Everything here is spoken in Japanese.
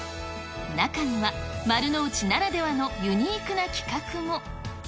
中には丸の内ならではのユニークな企画も。